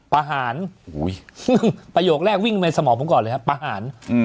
ประหารประโยคแรกวิ่งในสมองผมก่อนเลยครับประหาร